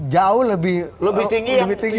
jauh lebih tinggi